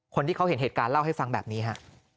คนที่เขาเห็นเหตุการณ์เล่าให้ฟังแบบนี้ฮะ